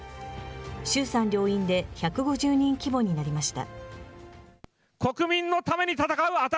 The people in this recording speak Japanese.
衆参両院で１５０人規模になりました。